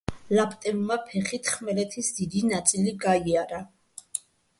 ლაპტევმა ფეხით ხმელეთის დიდი ნაწილი გაიარა.